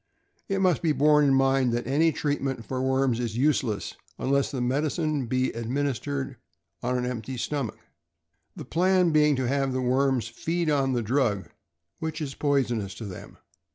It must be borne in mind that any treatment for worms is useless unless the medicine be administered on an empty stomach, the plan being to have the worms feed on the drug, which is poisonous to them.